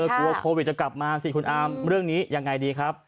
กลัวโควิดจะกลับมาสิคุณอามเรื่องนี้ยังไงดีครับ